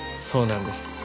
そうなんです。